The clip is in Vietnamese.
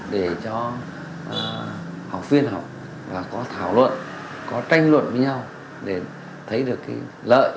để cho học viên học có thảo luận có tranh luận với nhau để thấy được cái lợi